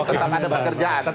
tetap ada pekerjaan